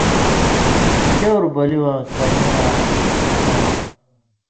چؤر بلی واں کرَیں یاں بان: